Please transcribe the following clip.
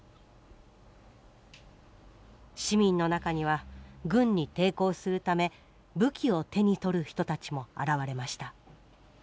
市民の中には軍に抵抗するため武器を手に取る人たちも現れました。